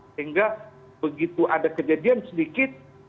sehingga begitu ada kejadian sedikit